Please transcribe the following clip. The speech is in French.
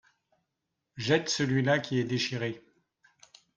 Jette celui-là qui est déchiré.